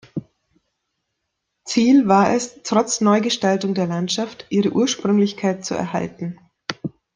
Ziel war es, trotz Neugestaltung der Landschaft ihre Ursprünglichkeit zu erhalten.